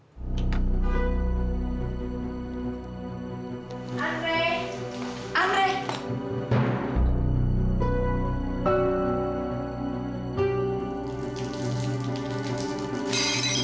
mudah mudahan andri suka mais campur ini